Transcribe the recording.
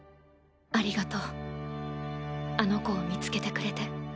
ありがとうあの子を見つけてくれて。